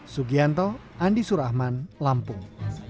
sugianto andi surahman lampung